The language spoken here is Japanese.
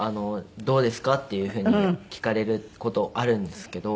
「どうですか？」っていうふうに聞かれる事あるんですけど。